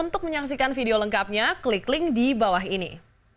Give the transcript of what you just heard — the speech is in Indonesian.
terima kasih pak tarun pounds